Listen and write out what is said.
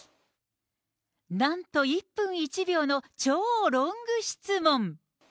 なんと１分１秒の超ロング質問。